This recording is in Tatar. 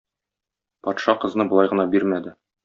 Патша кызны болай гына бирмәде.